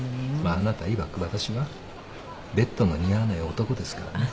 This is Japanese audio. あなたいわく私はベッドの似合わない男ですからね。